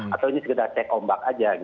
atau ini sekedar cek ombak aja